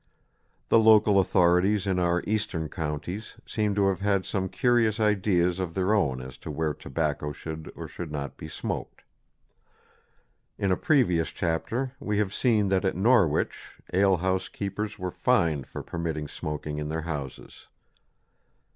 The local authorities in our eastern counties seem to have had some curious ideas of their own as to where tobacco should or should not be smoked. In a previous chapter we have seen that at Norwich, ale house keepers were fined for permitting smoking in their houses.